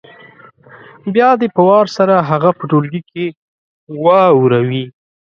بیا دې په وار سره هغه په ټولګي کې واوروي